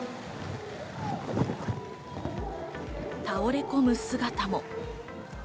倒れ込む姿も。